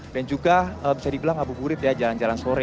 dan juga bisa dibilang abu abu burit jalan jalan sore